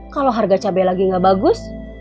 kalau harga cabai lagi nggak bagus